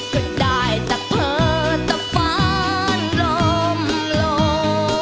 ก็ได้แต่เผลอแต่ฝันลมลม